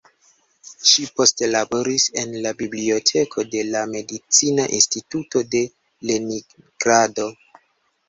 Ŝi poste laboris en la biblioteko de la Medicina Instituto de Leningrado.